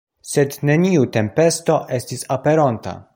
Sed neniu tempesto estis aperonta.